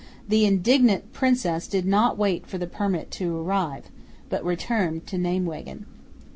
The indignant princess did not wait for the permit to arrive, but returned to Nijmwegen.